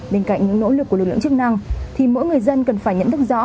bên cạnh những nỗ lực của lực lượng chức năng thì mỗi người dân cần phải nhận thức rõ